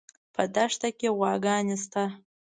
په دښته کې غواګانې شته